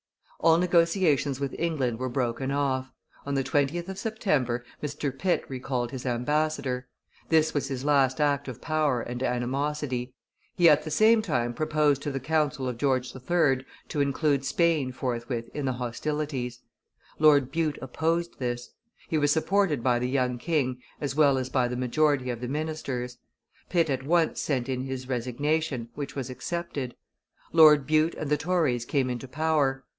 All negotiations with England were broken off; on the 20th of September, Mr. Pitt recalled his ambassador; this was his last act of power and animosity; he at the same time proposed to the council of George III. to include Spain forthwith in the hostilities. Lord Bute opposed this; he was supported by the young king as well as by the majority of the ministers. Pitt at once sent in his resignation, which was accepted. Lord Bute and the Tories came into power.